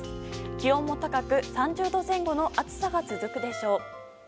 気温も高く３０度前後の暑さが続くでしょう。